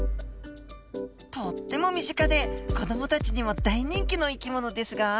とっても身近で子どもたちにも大人気の生き物ですが。